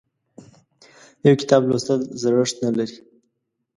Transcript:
یو کتاب لوستل زړښت نه لري.